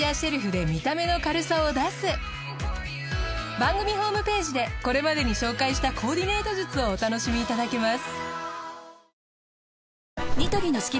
番組ホームページでこれまでに紹介したコーディネート術をお楽しみいただけます。